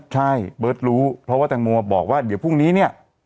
ใช่เบิร์ตรู้เพราะว่าแตงโมบอกว่าเดี๋ยวพรุ่งนี้เนี่ย